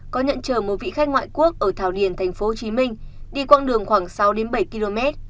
có nhận chở một vị khách ngoại quốc ở thảo điền tp hcm đi quãng đường khoảng sáu bảy km